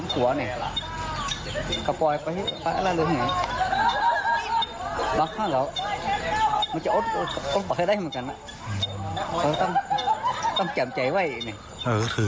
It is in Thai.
มีร้อนมุนเฮียมากรรมซื้อ